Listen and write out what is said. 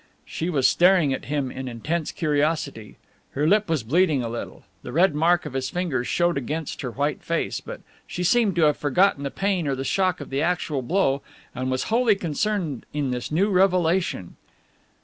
She was staring at him in intense curiosity. Her lip was bleeding a little, the red mark of his fingers showed against her white face, but she seemed to have forgotten the pain or the shock of the actual blow and was wholly concerned in this new revelation.